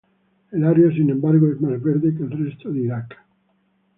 El área, sin embargo, es más verde que el resto de Irak.